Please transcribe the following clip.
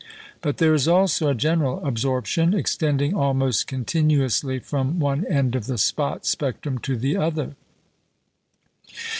But there is also a general absorption, extending almost continuously from one end of the spot spectrum to the other.